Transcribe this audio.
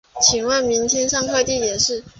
请问明天上课地点是